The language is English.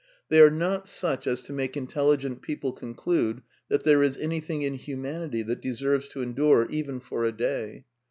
They are not such as to make intelligent people conclude that there is anything in humanity that deserves to endure even for a day.